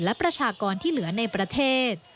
และประชากรที่เหลือในประเทศ